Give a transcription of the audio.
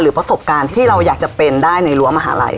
ประสบการณ์ที่เราอยากจะเป็นได้ในรั้วมหาลัย